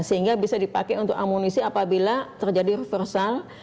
sehingga bisa dipakai untuk amunisi apabila terjadi reversal